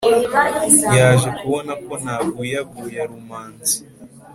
yaje kubona ko naguyaguya rumanzi